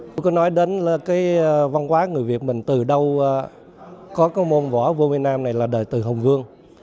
tôi có nói đến là cái văn hóa người việt mình từ đâu có cái môn võ vô việt nam này là đời từ hồng vương